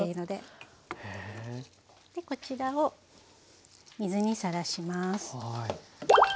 でこちらを水にさらします。